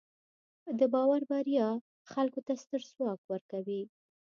د باور بریا خلکو ته ستر ځواک ورکوي.